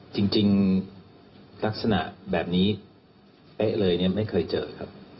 จริงลักษณะแบบนี้เป๊ะเลยเนี่ยไม่เคยเจอครับ